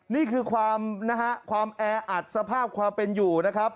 นี่คือความแอดสภาพความเป็นอยู่นะครับ